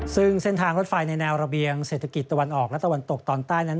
ซึ่งเส้นทางรถไฟในแนวระเบียงเศรษฐกิจตะวันออกและตะวันตกตอนใต้นั้น